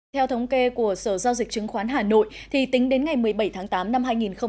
theo thống kê của sở giao dịch chứng khoán hà nội tính đến ngày một mươi bảy tháng tám năm hai nghìn hai mươi